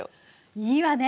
いいわね。